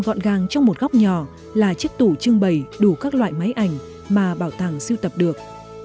gọn gàng trong một góc nhỏ là chiếc tủ trưng bày đủ các loại máy ảnh mà bảo tàng siêu tập được